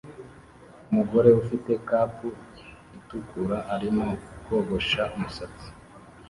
Umugore ufite cape itukura arimo kogosha umusatsi